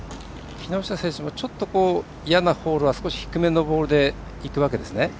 木下選手もちょっと嫌なホールは少し低めのボールでいくわけですね。